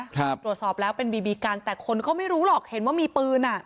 ตรวจสอบแล้วเป็นบีบีกันแต่คนเขาไม่รู้หรอกเห็นว่ามีปืนอ่ะ